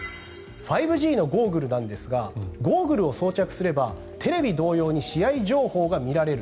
５Ｇのゴーグルなんですがゴーグルを装着すればテレビ同様に試合情報が見られる。